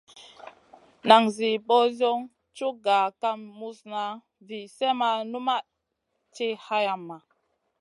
Nan Zi ɓosion cug gah kam muzna vi slèh ma numʼma ti hayama.